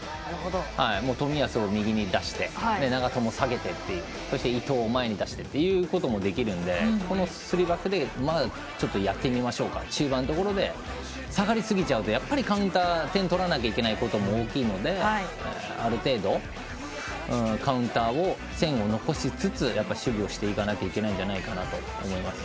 冨安を右に出して長友を下げて、そして伊東を前に出してっていうこともできるので、スリーバックでちょっとやってみましょうか中盤のところで下がりすぎちゃうとやっぱりカウンター点を取らなきゃいけないのも大きいので、ある程度カウンターの線を残しつつ守備をしていかなきゃいけないんじゃないかなと思います。